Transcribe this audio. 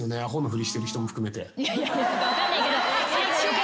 ふりしてる人も含めて。